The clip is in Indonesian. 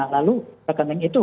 lalu rekening itu